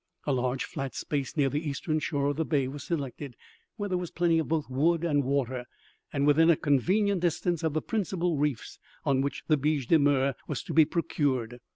A large flat space near the eastern shore of the bay was selected, where there was plenty of both wood and water, and within a convenient distance of the principal reefs on which the biche de mer was to be procured.